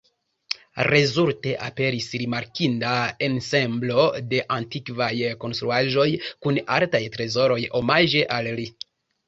Rezulte, aperis rimarkinda ensemblo de antikvaj konstruaĵoj kun artaj trezoroj omaĝe al li.